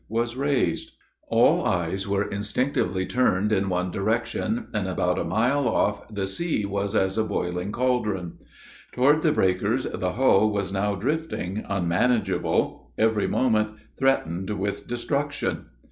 was raised. All eyes were instinctively turned in one direction; and, about a mile off, the sea was as a boiling caldron. Toward the breakers the hull was now drifting, unmanageable, every moment threatened with destruction.